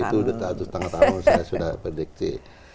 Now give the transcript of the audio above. itu sudah satu setengah tahun saya sudah prediksi